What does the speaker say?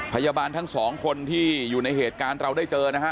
พยาบาลทั้งสองคนที่อยู่ในเหตุการณ์เราได้เจอนะฮะ